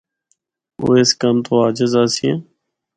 او اس کم تو عاجز آسیاں۔